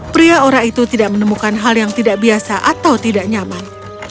pria ora itu tidak menemukan hal yang tidak biasa atau tidak nyaman